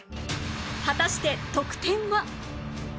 果たして得点は？